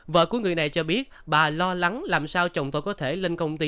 vợ của người này cho biết bà lo lắng làm sao chồng tôi có thể lên công ty